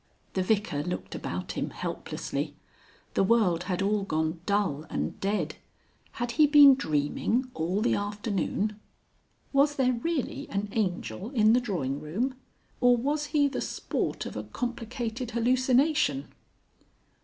The Vicar looked about him helplessly. The world had all gone dull and dead. Had he been dreaming all the afternoon? Was there really an angel in the drawing room? Or was he the sport of a complicated hallucination?